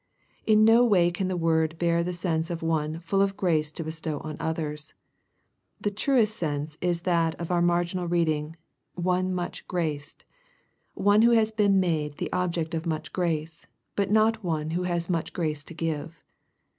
In no way can the word bear the sense of one " full of grace to bestow on others." The truest sense is that of our marginal reading, " one much graced,"— one who has been made the ob ject of much grace, but not one who has much grace to give.